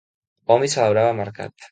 Hom hi celebrava mercat.